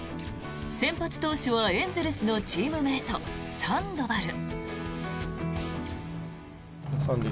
先発投手はエンゼルスのチームメートサンドバル。